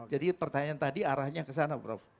jadi pertanyaan tadi arahnya ke sana prof